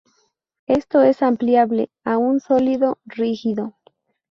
Esto es ampliable a un sólido rígido.